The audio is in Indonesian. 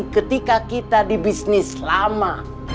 ketika kita di bisnis lama